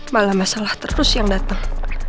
malah masalah terus yang datang